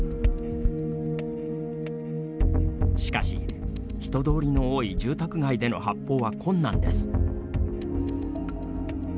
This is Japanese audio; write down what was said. しかし、人通りの多い住宅街での発砲は困難です。